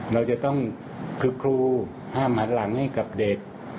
เราจะต้องคือครูห้ามหันหลังให้กับเด็ก